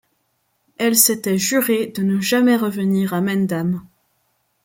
Elle s'était jurée de ne jamais revenir à Mendham.